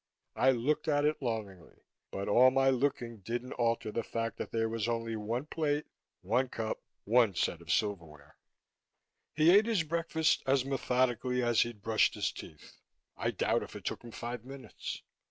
I looked at it longingly, but all my looking didn't alter the fact that there was only one plate, one cup, one set of silverware. He ate his breakfast as methodically as he'd brushed his teeth. I doubt if it took him five minutes.